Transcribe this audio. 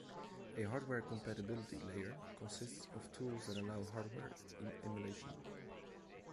A hardware compatibility layer consists of tools that allow hardware emulation.